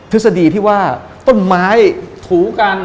ฤษฎีที่ว่าต้นไม้ถูกัน